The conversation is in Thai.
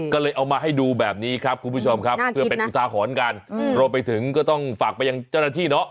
ก็เลยเอามาให้ดูแบบนี้ครับคุณผู้ชมครับเพื่อเป็นอุทาหรณ์กันรวมไปถึงก็ต้องฝากไปยังเจ้าหน้าที่เนาะ